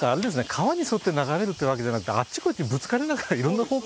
川に沿って流れるっていうわけじゃなくてあっちこっちぶつかりながらいろんな方向に流れていく。